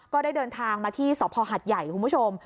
ก็ได้เดินทางมาที่สภหัดใหญ่คุณผู้ชม